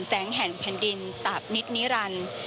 แสงแห่งพันธุ์ดินตาบนิทนิรันดิ์